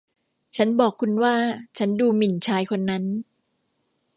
ฉันบอกคุณว่าฉันดูหมิ่นชายคนนั้น